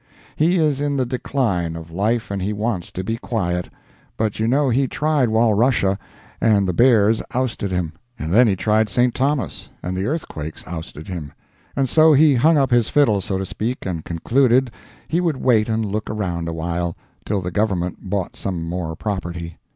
He is in the decline of life, and he wants to be quiet; but you know he tried Walrussia, and the bears ousted him; and then he tried St. Thomas, and the earthquakes ousted him; and so he hung up his fiddle, so to speak, and concluded he would wait and look around awhile, till the Government bought some more property.